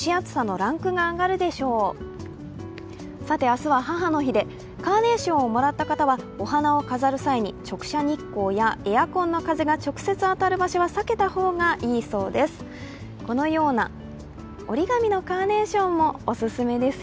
明日は母の日でカーネーションをもらった方はお花を飾る際に直射日光やエアコンの風が直接当たる場所は避けた方がいいそうです。